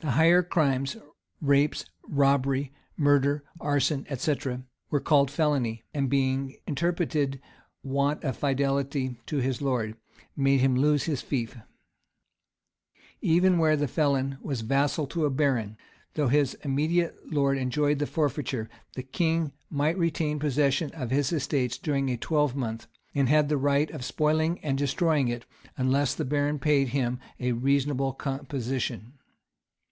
The higher crimes, rapes, robbery, murder, arson, etc., were called felony; and being interpreted want of fidelity to his lord, made him lose his fief.[] Even where the felon was vassal to a baron, though his immediate lord enjoyed the forfeiture, the king might retain possession of his estate during a twelvemonth, and had the right of spoiling and destroying it, unless the baron paid him a reasonable composition.